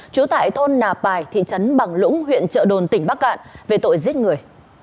trú tại thôn nà pài thị trấn bằng lũng huyện trợ đồn tỉnh bắc cạn về tội giết người